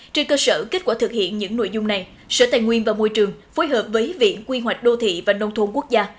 trên cơ sở kết quả thực hiện những nội dung này sở tài nguyên và môi trường phối hợp với viện quy hoạch đô thị và nông thôn quốc gia